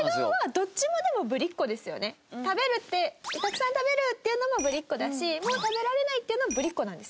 「食べる」って「たくさん食べる」って言うのもぶりっ子だし「もう食べられない」って言うのもぶりっ子なんですよ。